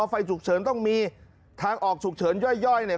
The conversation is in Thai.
ไฟฉุกเฉินต้องมีทางออกฉุกเฉินย่อยเนี่ย